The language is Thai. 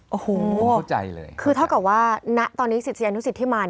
โอ้โฮคือเท่ากับว่าณตอนนี้ศิษยานุศิษย์ที่มา